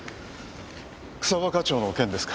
草葉課長の件ですか？